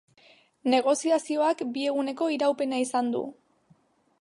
Negoziazioak bi eguneko iraupena izan du.